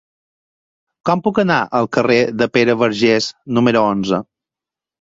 Com puc anar al carrer de Pere Vergés número onze?